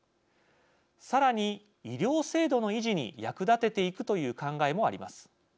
さらに医療制度の維持に役立てていくという考えもあります。